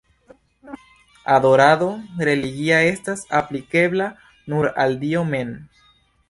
Adorado religia estas aplikebla nur al Dio mem.